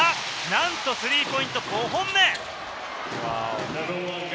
なんと、スリーポイント５本目！